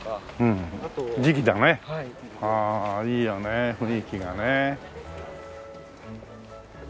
ああいいよね雰囲気がね。